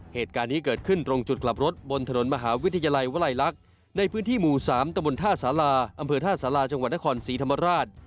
เหตุการณ์นี้เกิดขึ้นตรงจุดกลับรถบนถนนมหาวิทยาลัยวลัยลักษณ์ในพื้นที่หมู่๓ตะบนท่าสาราอำเภอท่าสาราจังหวัดนครศรีธรรมราช